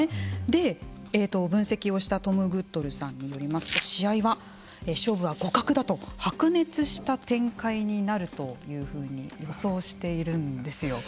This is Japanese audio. で分析をしたトム・グッドルさんによりますと試合は勝負は互角だと白熱した展開になるというふうに予想しているんですよ。